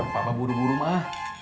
papa buru buru mah